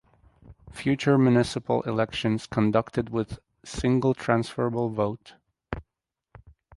Future municipal elections conducted with single transferable vote.